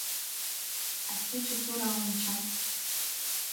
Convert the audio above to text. А кече тура онча.